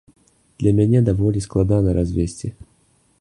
Для мяне даволі складана развесці.